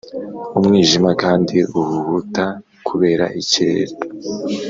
umwijima kandi uhuhuta kubera ikirere